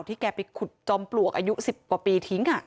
ที่แกไปขุดจอมปลวกอายุ๑๐ปีทิ้งค่ะ